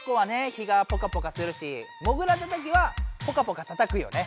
日がポカポカするしもぐらたたきはポカポカたたくよね。